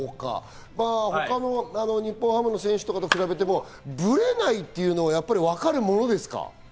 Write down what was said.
他の日本ハムの選手と比べてもぶれないっていうのはわかるものですか？